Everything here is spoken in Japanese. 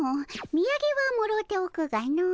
みやげはもろうておくがの。